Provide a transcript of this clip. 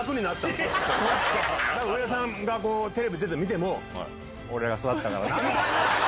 だから、上田さんがテレビ出てるの見ても、俺が育てたからな。